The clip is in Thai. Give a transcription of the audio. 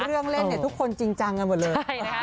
เล่นเนี่ยทุกคนจริงจังกันหมดเลย